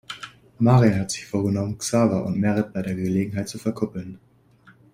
Marian hat sich vorgenommen, Xaver und Merit bei der Gelegenheit zu verkuppeln.